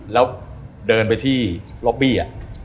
แล้วเดินไปที่ล็อบบี้